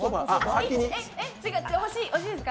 惜しいですか、